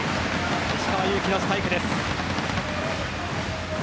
石川祐希のスパイクです。